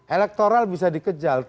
elektoral bisa dikejar